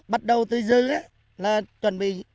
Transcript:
bắt đầu từ dư là chuẩn bị